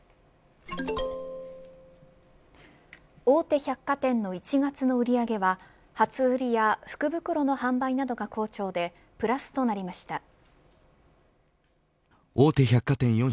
大手百貨店の１月の売り上げは初売りや福袋の販売などが好調でプラスとなりました。